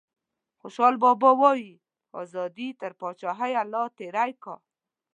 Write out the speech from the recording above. خوشحال بابا وايي ازادي تر پاچاهیه لا تیری کا.